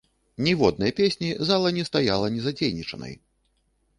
Ніводнай песні зала не стаяла незадзейнічанай.